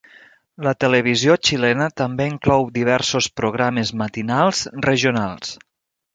La televisió xilena també inclou diversos programes matinals regionals.